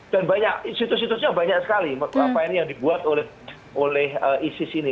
dan banyak situs situsnya banyak sekali yang dibuat oleh isis ini